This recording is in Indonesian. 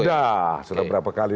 sudah sudah beberapa kali